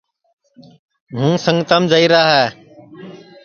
ہُوں سنگتام جائیرا ہے